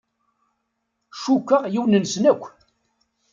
Cukkeɣ yiwen-nsen akk.